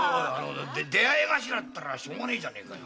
出会い頭っつったらしょうがねえじゃねえか。